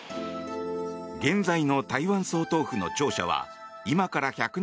現在の台湾総統府の庁舎は今から１００年